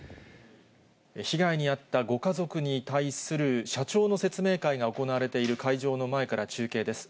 被害に遭ったご家族に対する社長の説明会が行われている会場の前から中継です。